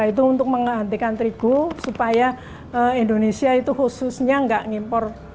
itu untuk menghentikan terigu supaya indonesia itu khususnya nggak ngimpor